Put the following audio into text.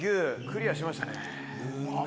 クリアしましたね。